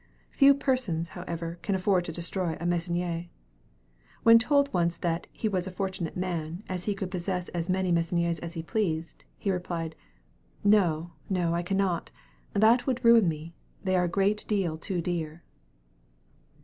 Few persons, however, can afford to destroy a Meissonier. When told once that "he was a fortunate man, as he could possess as many Meissoniers as he pleased," he replied, "No, no, I cannot; that would ruin me. They are a great deal too dear."